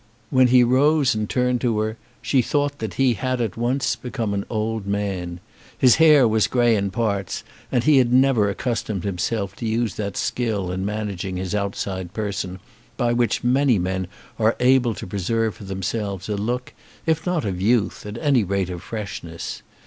When he rose and turned to her she thought that he had at once become an old man. His hair was grey in parts, and he had never accustomed himself to use that skill in managing his outside person by which many men are able to preserve for themselves a look, if not of youth, at any rate of freshness.